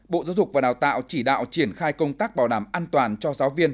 bộ giáo dục và đào tạo chỉ đạo triển khai công tác bảo đảm an toàn cho giáo viên